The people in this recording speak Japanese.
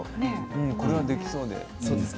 これは、できそうです。